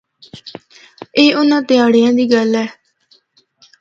اے اُنھان دیہاڑیاں دی گل اے۔